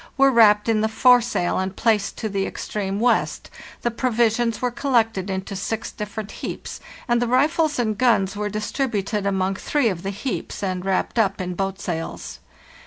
were wrapped in the foresail and placed to the extreme west, the provisions were col lected into six different heaps, and the rifles and guns were distributed among three of the heaps and wrapped up in boat sails.